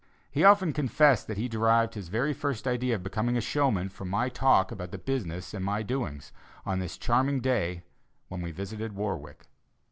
He often confessed that he derived his very first idea of becoming a showman from my talk about the business and my doings, on this charming day when we visited Warwick.